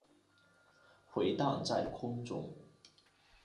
回荡在空中